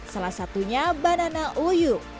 salah satunya banana uyu